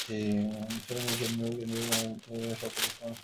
উৎসবের মূল কেন্দ্র কেন্দ্রীয় গণগ্রন্থাগারের শওকত ওসমান স্মৃতি মিলনায়তন।